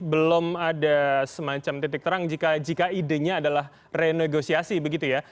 belum ada semacam titik terang jika idenya adalah renegosiasi begitu ya